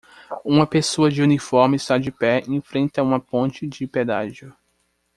Uma pessoa de uniforme está de pé em frente a uma ponte de pedágio